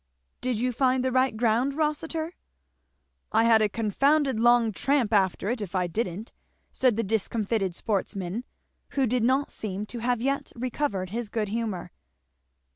"Did you find the right ground, Rossitur?" "I had a confounded long tramp after it if I didn't," said the discomfited sportsman, who did not seem to have yet recovered his good humour.